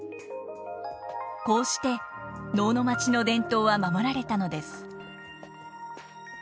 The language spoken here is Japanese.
こうして能の町の伝統は守られたのです。